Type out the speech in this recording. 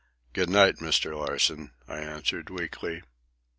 "Good night, Mr. Larsen," I answered weakly.